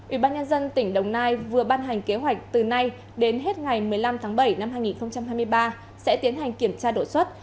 ủy ban nhân dân tỉnh đồng nai vừa ban hành kế hoạch từ nay đến hết ngày một mươi năm tháng bảy năm hai nghìn hai mươi ba sẽ tiến hành kiểm tra đổi xuất